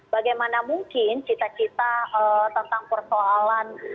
bagaimana mungkin cita cita tentang persoalan